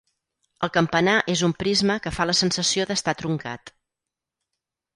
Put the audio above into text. El campanar és un prisma que fa la sensació d'estar truncat.